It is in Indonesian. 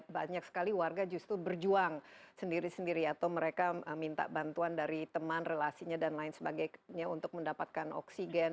banyak sekali warga justru berjuang sendiri sendiri atau mereka minta bantuan dari teman relasinya dan lain sebagainya untuk mendapatkan oksigen